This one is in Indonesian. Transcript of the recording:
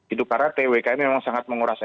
itu karena twk ini memang sangat menguras